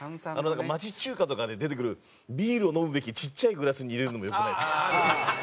なんか町中華とかで出てくるビールを飲むべきちっちゃいグラスに入れるのも良くないですか？